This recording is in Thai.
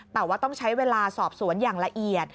แต่ว่าต้องใช้เวลาสอบสวนอย่างละเอียด